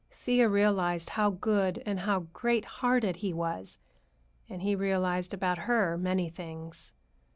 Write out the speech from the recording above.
Thea realized how good and how great hearted he was, and he realized about her many things.